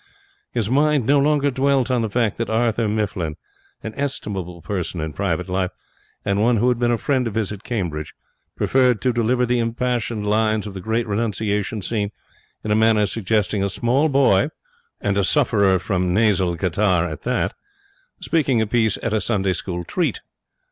His mind no longer dwelt on the fact that Arthur Mifflin, an estimable person in private life, and one who had been a friend of his at Cambridge, preferred to deliver the impassioned lines of the great renunciation scene in a manner suggesting a small boy (and a sufferer from nasal catarrh at that) speaking a piece at a Sunday school treat.